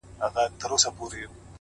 له نن څخه وروسته ته